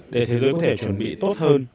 để thế giới có thể chuẩn bị tốt hơn